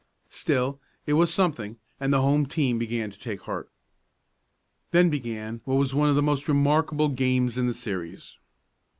Still it was something, and the home team began to take heart. Then began what was one of the most remarkable games in the series.